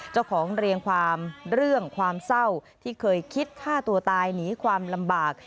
เจ้าของเรียงความเรื่องความเศร้าที่เคยคิดฆ่าตัวตายหนีความลำบาก